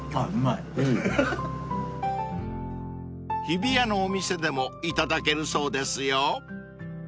［日比谷のお店でも頂けるそうですよ］